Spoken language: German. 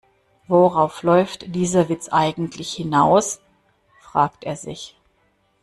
Worauf läuft dieser Witz eigentlich hinaus?, fragt er sich.